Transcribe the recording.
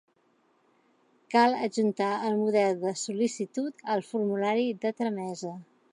Cal adjuntar el model de sol·licitud al formulari de tramesa.